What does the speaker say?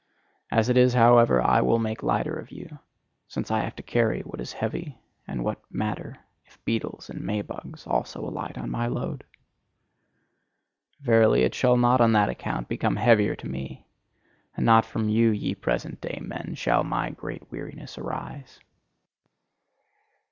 As it is, however, I will make lighter of you, since I have to carry what is heavy; and what matter if beetles and May bugs also alight on my load! Verily, it shall not on that account become heavier to me! And not from you, ye present day men, shall my great weariness arise.